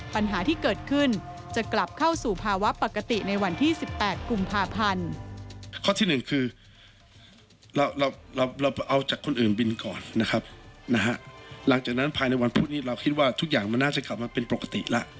ปัญหาที่เกิดขึ้นจะกลับเข้าสู่ภาวะปกติในวันที่๑๘กุมภาพันธ์